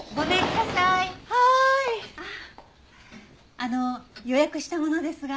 あの予約した者ですが。